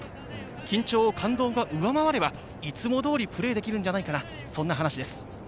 緊張を感動が上回れば、いつも通りプレーできるんじゃないか、そう話しました。